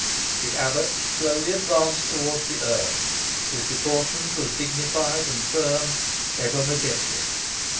The abbot slowly advanced towards the earl. His deportment was dignified and firm, even majestic.